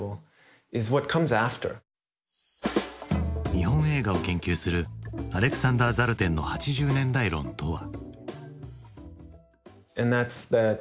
日本映画を研究するアレクサンダー・ザルテンの８０年代論とは。